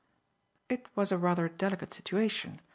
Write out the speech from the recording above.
It was a rather delicate situation.